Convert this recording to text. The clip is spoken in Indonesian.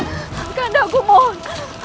tidurkan dia aku mohon